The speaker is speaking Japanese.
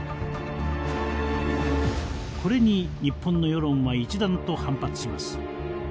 これに日本の世論は一段と反発します。